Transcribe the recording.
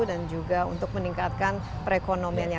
dan juga untuk meningkatkan perekonomiannya